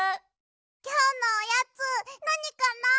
・きょうのおやつなにかな。